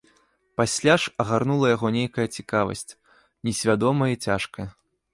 Пасля ж агарнула яго нейкая цікавасць, несвядомая і цяжкая.